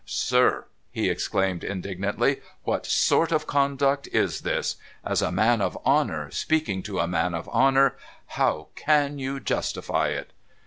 ' Sir !' he exclaimed, indignantly, ' what sort of conduct is this ? As a man of honour, speaking to a man of honour, how can you justify it